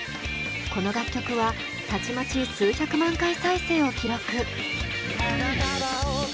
この楽曲はたちまち数百万回再生を記録。